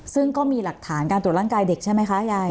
ซึ่งก็มีหลักฐานการตรวจร่างกายเด็กใช่ไหมคะยาย